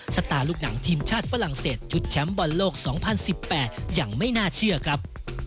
สตาร์ลูกหนังทีมชาติฝรั่งเศสชุดแชมป์บอลโลก๒๐๑๘อย่างไม่น่าเชื่อครับ